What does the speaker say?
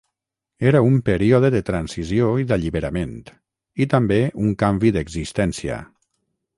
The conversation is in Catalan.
Era un període de transició i d'alliberament, i també un canvi d'existència.